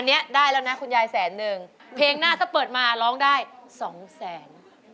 อันนี้ได้แล้วนะคุณยายแสนหนึ่งเพลงหน้าถ้าเปิดมาร้องได้สองแสน